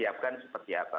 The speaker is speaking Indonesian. yang diperlihatkan seperti apa